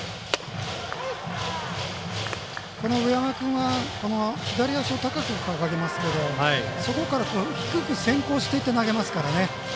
上山君は左足を高く上げますけどそこから、低く先行していって投げますから。